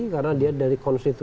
karena dia dari konstitusi